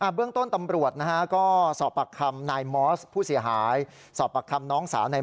เบื้องต้นตำปรวจก็